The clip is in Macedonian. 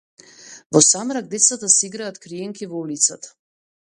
Во самрак децата си играат криенки во улицата.